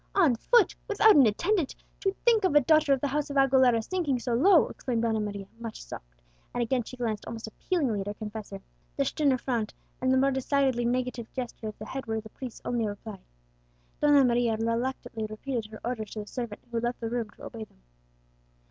"On foot without an attendant! to think of a daughter of the house of Aguilera sinking so low!" exclaimed Donna Maria, much shocked; and again she glanced almost appealingly at her confessor. The sterner frown and more decidedly negative gesture of the head were the priest's only reply. Donna Maria reluctantly repeated her orders to the servant, who left the room to obey them.